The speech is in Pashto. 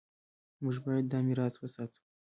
موږ باید دا میراث وساتو.